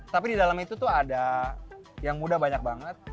tapi di dalam itu tuh ada yang muda banyak banget